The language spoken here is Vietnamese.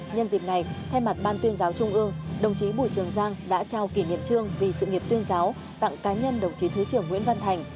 nhân dịp này thay mặt ban tuyên giáo trung ương đồng chí bùi trường giang đã trao kỷ niệm trương vì sự nghiệp tuyên giáo tặng cá nhân đồng chí thứ trưởng nguyễn văn thành